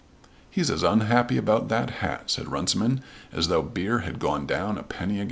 "He's as unhappy about that hat," said Runciman, "as though beer had gone down a penny a gallon."